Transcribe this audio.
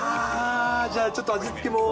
じゃあ、ちょっと味付けも。